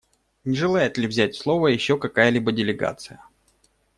Не желает ли взять слово еще какая-либо делегация?